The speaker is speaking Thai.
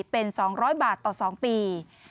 เป็น๒๐๐บาทต่อ๒ปี